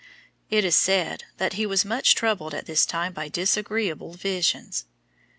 It is said, that he was much troubled at this time by disagreeable visions.